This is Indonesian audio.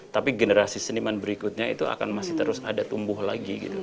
tapi generasi seniman berikutnya itu akan masih terus ada tumbuh lagi gitu